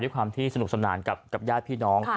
ความที่สนุกสนานกับญาติพี่น้อง